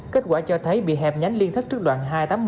kết quả cho thấy bị hẹp nhánh liên thất trước loạn hai tám mươi